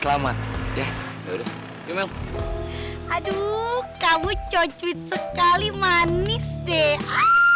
aduh kamu cocuit sekali manis deh